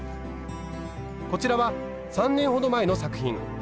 こちらは３年ほど前の作品。